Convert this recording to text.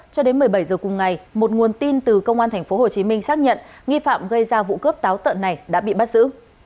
cho đến một mươi bảy h cùng ngày một nguồn tin từ công an tp hcm xác nhận nghi phạm gây ra vụ cướp táo tận này đã bị bắt giữ